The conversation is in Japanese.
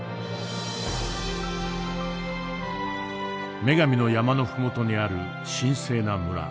女神の山の麓にある神聖な村。